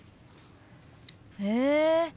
へえ！